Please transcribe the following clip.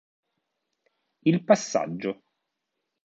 Il passaggio